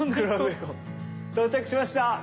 到着しました！